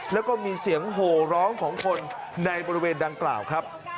แล้วก็มีเสียงโหร้องของคนในบริเวณดังกล่าวครับ